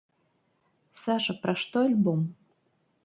Саша, пра што альбом?